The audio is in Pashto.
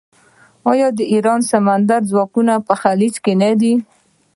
آیا د ایران سمندري ځواک په خلیج کې نه دی؟